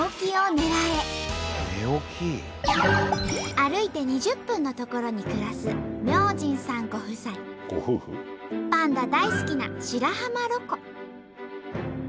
歩いて２０分の所に暮らすパンダ大好きな白浜ロコ。